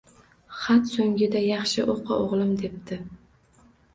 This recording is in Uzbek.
Xat so’ngida yaxshi o’qi, o’g’lim, debdi.